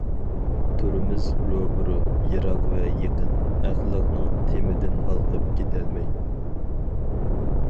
تۇرىمىز روبىرو يىراق ۋە يېقىن، ئەخلاقنىڭ تېمىدىن ھالقىپ كېتەلمەي.